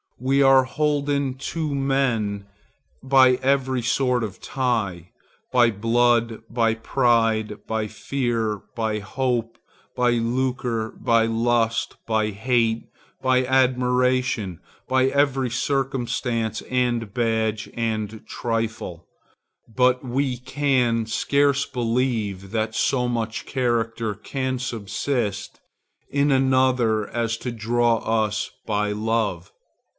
We are holden to men by every sort of tie, by blood, by pride, by fear, by hope, by lucre, by lust, by hate, by admiration, by every circumstance and badge and trifle,—but we can scarce believe that so much character can subsist in another as to draw us by love.